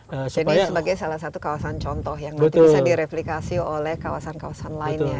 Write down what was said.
jadi sebagai salah satu kawasan contoh yang nanti bisa direplikasi oleh kawasan kawasan lainnya